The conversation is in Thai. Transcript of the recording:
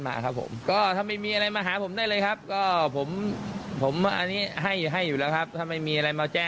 ใช่มีอะไรก็ไปพูดไปขอแก